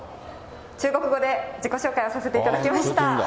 中国語で自己紹介をさせていただきました。